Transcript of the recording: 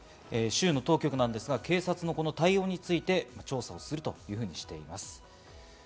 州の当局ですが、警察の対応について調査をするというふうにしています。